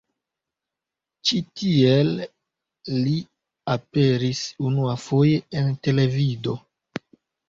Ĉi tiel li aperis unuafoje en televido.